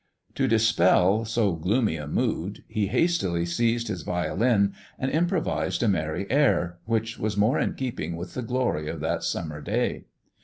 To dispel so gloomy a mood, he hastily seized his violin and improvised a merry air, which was more in keeping with the glory of that summer day.